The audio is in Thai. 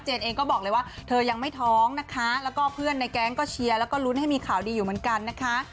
เองก็บอกเลยว่าเธอยังไม่ท้องนะคะแล้วก็เพื่อนในแก๊งก็เชียร์แล้วก็ลุ้นให้มีข่าวดีอยู่เหมือนกันนะคะ